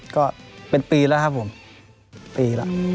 ก็เป็นปีแล้วครับผมปีละ